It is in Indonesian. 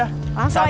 langsung aja ya